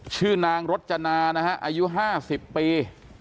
ชื่อนางรจนานะฮะอายุ๕๐ปี